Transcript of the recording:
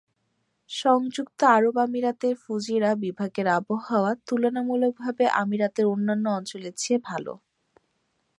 সংযুক্ত আরব আমিরাতের ফুজিরাহ বিভাগের আবহাওয়া তুলনামূলকভাবে আমিরাতের অন্যান্য অঞ্চলের চেয়ে ভালো।